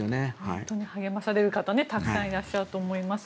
本当に励まされる方たくさんいらっしゃると思います。